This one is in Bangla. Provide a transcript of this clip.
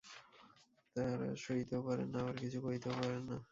তাঁরা সইতেও পারেন না আবার কিছু কইতেও পারেন না।